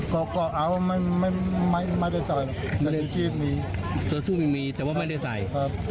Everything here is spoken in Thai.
ก่อก่อเอาไม่ไม่ไม่ได้ใส่แต่ชูชีพมีชูชีพมีแต่ว่าไม่ได้ใส่ครับ